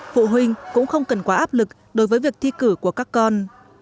phụ huynh cũng không cần quá áp lực đối với việc thi cử của các con